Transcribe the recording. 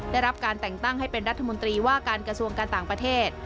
ได้รับการแต่งตั้งให้เป็นรัฐมนตรีว่าการกระทรวงการต่างประเทศ